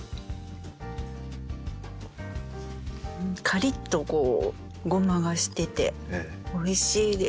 カリッとゴマがしてておいしいです。